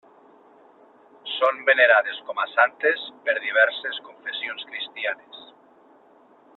Són venerades com a santes per diverses confessions cristianes.